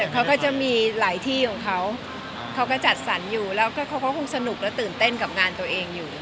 เขาก็จะมีหลายที่ของเขาเขาก็จัดสรรอยู่แล้วเขาก็คงสนุกและตื่นเต้นกับงานตัวเองอยู่